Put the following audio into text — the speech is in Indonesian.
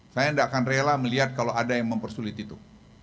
saya tidak akan rela melihat kalau ada yang mempersulit itu